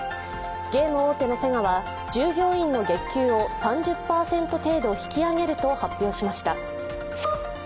ゲーム大手のセガは従業員の月給を３０％程度引き上げると発表しました。